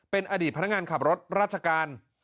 เป็นอดีตพนักงานขับรถราชการ